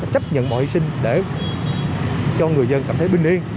chấp nhận mọi hy sinh để cho người dân cảm thấy bình yên